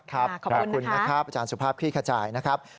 ขอบคุณนะครับอาจารย์สุภาพคลี่ขจายนะครับ